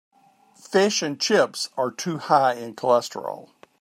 Fish and chips are too high in cholesterol.